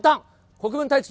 国分太一